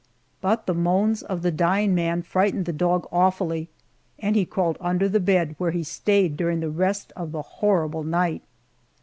But the moans of the dying man frightened the dog awfully, and he crawled under the bed, where he stayed during the rest of the horrible night.